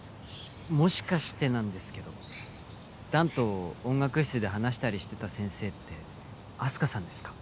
もしかしてなんですけど弾と音楽室で話したりしてた先生ってあす花さんですか？